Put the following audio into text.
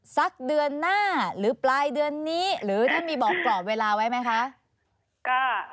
สักเดือนหน้าหรือปลายเดือนนี้หรือท่านมีบอกกรอบเวลาไว้ไหมคะ